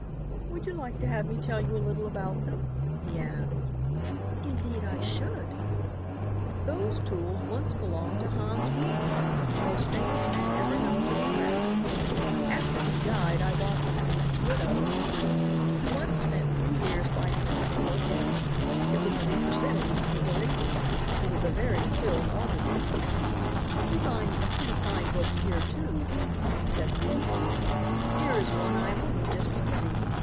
"Would you like to have me tell you a little about them?" he asked. "Indeed I should." "Those tools once belonged to Hans Wiemar, the most famous man ever known to the craft. After he died I bought them from his widow. He once spent three years binding a single book. It was to be presented to the king of England. He was a very skillful artisan. "We bind some pretty fine books here, too," he said modestly. "Here is one I am only just beginning.